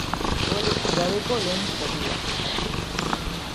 Golik gabeko lehen zatia.